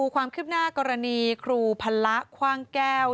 ความคืบหน้ากรณีครูพันละคว่างแก้ว